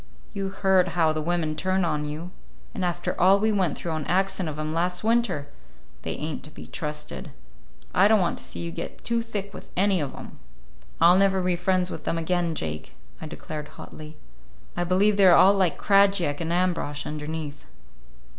You heard how the women turned on you—and after all we went through on account of 'em last winter! They ain't to be trusted. I don't want to see you get too thick with any of 'em." "I'll never be friends with them again, Jake," I declared hotly. "I believe they are all like Krajiek and Ambrosch underneath."